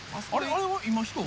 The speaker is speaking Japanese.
あれは今人？